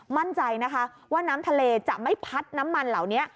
มั่นใจนะคะว่าน้ำทะเลจะไม่พัดน้ำมันเหล่านี้